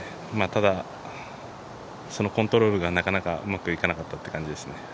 ただコントロールがなかなかうまくいかなかったという感じですね。